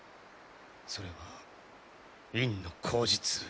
それは院の口実。